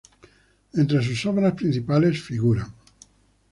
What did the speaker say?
Entre sus obras principales figuran